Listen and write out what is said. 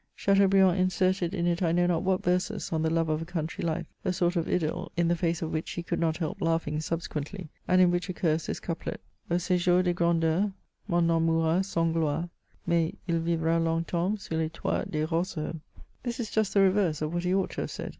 Chateaubriand inserted in it I know not what verses on the Love of a Country Life, a sort of idyl, in the face of which he could not help laughing subsequently, and in which occurs this couplet : Au s^jour des grandeurs, mon nom mourra sans gloire, Mais il viyra longtemps sous les toits des roseaux. This is just the reverse of what he ought to have said.